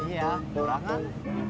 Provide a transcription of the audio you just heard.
iya murah kan